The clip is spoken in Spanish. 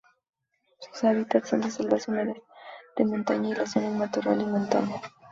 Sus hábitats son las selvas húmedas de montaña, y las zonas de matorral montano.